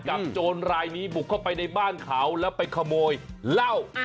โจรรายนี้บุกเข้าไปในบ้านเขาแล้วไปขโมยเหล้า